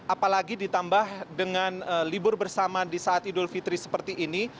apalagi ditambah dengan libur bersama di saat idul fitri seperti ini